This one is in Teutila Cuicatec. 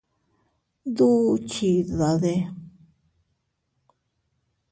¿Duʼu chidade?